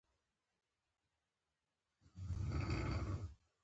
مساج او لمبا هم پکې شامل وو چې درملنه یې کوله.